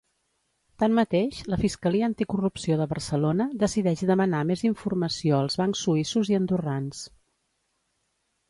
Tanmateix, la Fiscalia Anticorrupció de Barcelona decideix demanar més informació als bancs suïssos i andorrans.